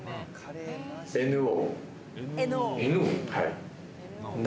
ＮＯ。